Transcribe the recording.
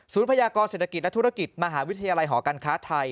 พยากรเศรษฐกิจและธุรกิจมหาวิทยาลัยหอการค้าไทย